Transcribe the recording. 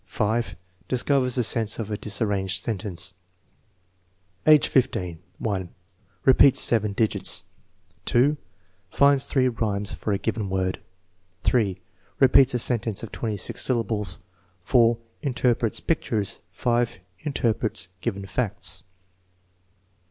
ft, Discovers the sense of a disarranged sentence. Ayr. in :! Repeats seven digits. * Kinds thre< rhymes for a given word. 3, HepeaU a .sentence of twenty six syllables* 4. Interprets pictures. />. Interprets given facts.